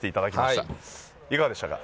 いかがでしたか？